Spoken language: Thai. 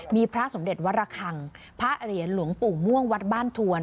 มีพระสมเด็จวรคังพระเหรียญหลวงปู่ม่วงวัดบ้านทวน